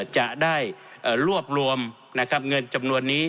จะได้เอ่อรวบรวมนะครับเงินจำนวนนี้